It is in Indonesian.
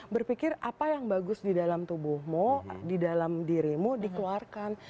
berpikir apa yang bagus di dalam tubuhmu di dalam dirimu dikeluarkan